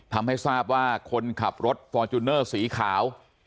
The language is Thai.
ทำให้ทราบว่าคนขับรถฟอร์จูเนอร์สีขาว